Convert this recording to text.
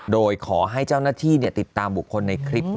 โดยขอให้เจ้าหน้าที่ติดตามบุคคลในคลิป